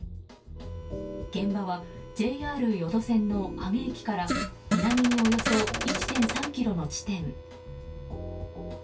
現場は、ＪＲ予土線の半家駅から南におよそ１．３ｋｍの地点。